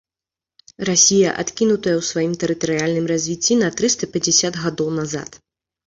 Расія адкінутая ў сваім тэрытарыяльным развіцці на трыста пяцьдзясят гадоў назад.